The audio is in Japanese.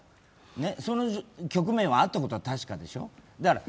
その局面があったことは確かでしょ。